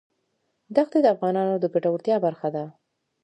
دښتې د افغانانو د ګټورتیا برخه ده.